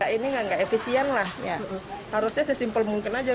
ini nggak efisien lah harusnya sesimpel mungkin aja